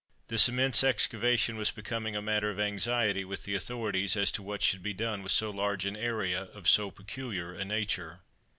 This immense excavation was becoming a matter of anxiety with the authorities, as to what should be done with so large an area of so peculiar a nature.